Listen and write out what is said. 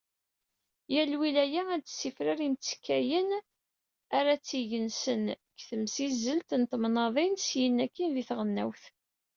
Yal lwilaya ad d-sifrer imttekkayen ara tt-igensen deg temsizzelt n temnaḍin syin akkin di tɣelnawt.